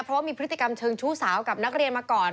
เพราะว่ามีพฤติกรรมเชิงชู้สาวกับนักเรียนมาก่อน